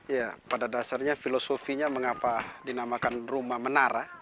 ya pada dasarnya filosofinya mengapa dinamakan rumah menara